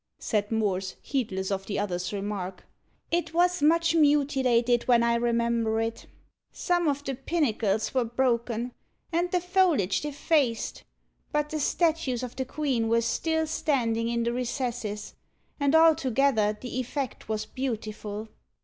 said Morse, heedless of the other's remark. "It was much mutilated when I remember it; some of the pinnacles were broken, and the foliage defaced, but the statues of the queen were still standing in the recesses; and altogether the effect was beautiful."